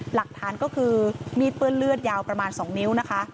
หลักฐานก็คือมีดเปื้อนเลือดยาวประมาณ๒นิ้วนะคะ